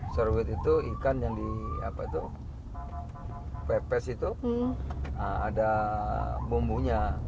serwit itu ikan yang di pepes itu ada bumbunya